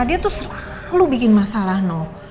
dia tuh selalu bikin masalah no